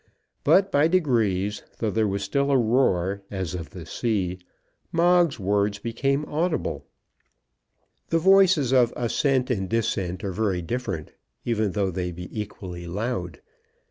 But by degrees, though there was still a roar, as of the sea, Moggs's words became audible. The voices of assent and dissent are very different, even though they be equally loud.